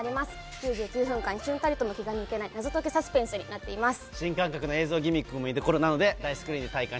９９分間、一瞬たりとも気が抜けない謎解きサスペンスになっています。